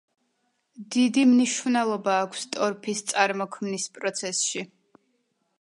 დიდი მნიშვნელობა აქვს ტორფის წარმოქმნის პროცესში.